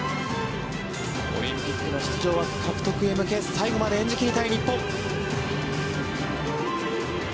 オリンピックの出場枠獲得に向け最後まで演じ切りたい日本。